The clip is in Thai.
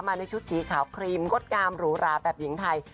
ในชุดสีขาวครีมงดงามหรูหราแบบหญิงไทย